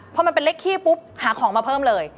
เพราะมันเป็นเลขที่ปุ๊บหาของมาเพิ่มเลย